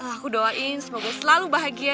aku doain semoga selalu bahagia